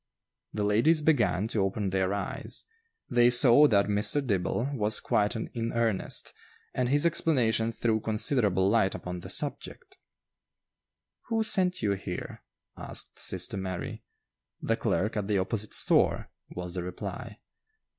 The ladies began to open their eyes; they saw that Mr. Dibble was quite in earnest, and his explanation threw considerable light upon the subject. "Who sent you here?" asked sister Mary. "The clerk at the opposite store," was the reply.